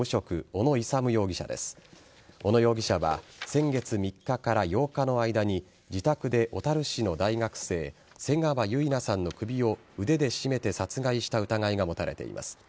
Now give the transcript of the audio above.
小野容疑者は先月３日から８日の間に自宅で小樽市の大学生瀬川結菜さんの首を腕で絞めて殺害した疑いが持たれています。